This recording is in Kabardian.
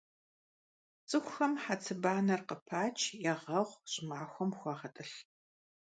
ЦӀыхухэм хьэцыбанэр къыпач, ягъэгъу, щӀымахуэм хуагъэтӀылъ.